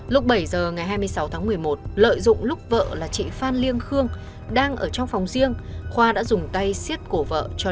lúc bảy giờ ngày hai mươi sáu tháng một mươi một lợi dụng lúc vợ là chị phan liêng khương đang ở trong phòng riêng khoa đã dùng tay xiết cổ vợ chồng